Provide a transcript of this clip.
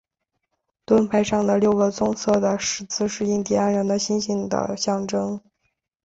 盾牌上的六个棕色的十字是印第安人的星星的象征。